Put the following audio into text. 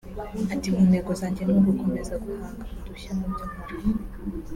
Ati “Mu ntego zanjye ni ugukomeza guhanga udushya mu byo nkora